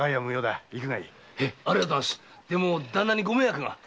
でも旦那にご迷惑が。